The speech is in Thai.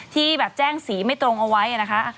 ที่แบบแจ้งสีไม่ตรงเอาไว้นะคะ